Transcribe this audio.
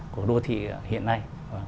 của đô thị hiện nay